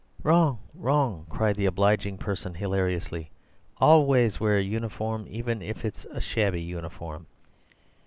"Wrong, wrong!" cried the obliging person hilariously. "Always wear uniform, even if it's shabby uniform!